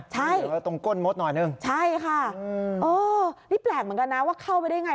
ใช่ใช่ค่ะนี่แปลกเหมือนกันนะว่าเข้าไปได้ไง